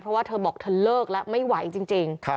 เพราะว่าเธอบอกเธอเลิกแล้วไม่ไหวจริง